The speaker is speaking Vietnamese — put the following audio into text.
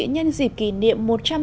nhân dịp kỷ niệm